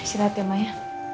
istirahat ya ma ya